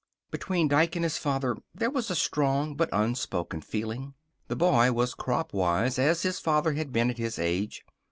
Between Dike and his father there was a strong but unspoken feeling. The boy was cropwise, as his father had been at his age.